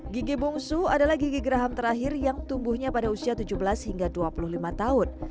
gigi bungsu adalah gigi geraham terakhir yang tumbuhnya pada usia tujuh belas hingga dua puluh lima tahun